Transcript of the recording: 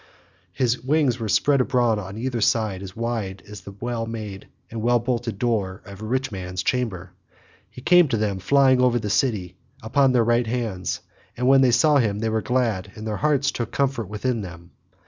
His wings were spread abroad on either side as wide as the well made and well bolted door of a rich man's chamber. He came to them flying over the city upon their right hands, and when they saw him they were glad and their hearts took comfort within them.